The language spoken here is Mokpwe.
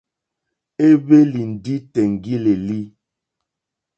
Éhwélì ndí tèŋɡí!lélí.